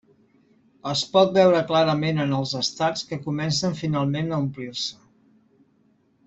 Es pot veure clarament en els estats que comencen finalment a omplir-se.